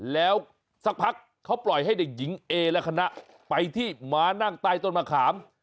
แล้วสักพักเขาปล่อยให้เด็กหญิงเอและคณะไปที่มานั่งใต้ต้นมะขาม